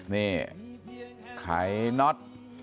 นี่ไขน็อต